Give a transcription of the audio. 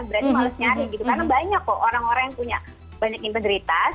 berarti males nyari gitu karena banyak kok orang orang yang punya banyak integritas